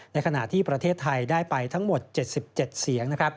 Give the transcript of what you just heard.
ในขณะที่ประเทศไทยได้ไปทั้งหมด๗๗เสียง